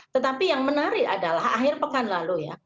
tetapi yang menarik adalah akhir pekan lalu ya